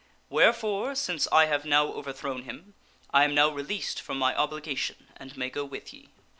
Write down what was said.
Wherefore, since I have now overthrown him, I am now released from my obligation and may go with ye."